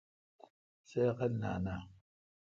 تسی عقل نان اؘ۔